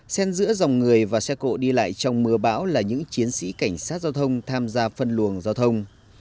xen giữa dòng người và xe cộ đi lại trong mưa bão là những chiến sĩ cảnh sát giao thông tham gia phân luồng giao thông